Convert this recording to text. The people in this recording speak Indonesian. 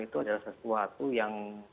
itu adalah sesuatu yang